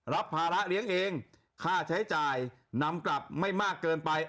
รับภาระเลี้ยงเองค่าใช้จ่ายนำกลับไม่มากเกินไป